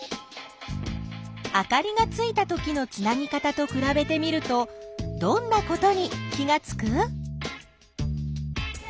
あかりがついたときのつなぎ方とくらべてみるとどんなことに気がつく？